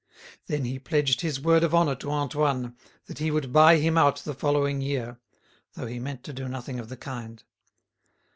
Then he pledged his word of honour to Antoine that he would buy him out the following year, though he meant to do nothing of the kind.